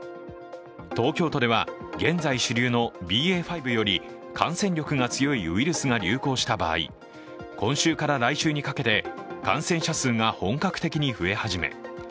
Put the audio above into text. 東京都では、現在主流のＢＡ．５より感染力が強いウイルスが流行した場合、今週から来週にかけて感染者数が本格的に増え始め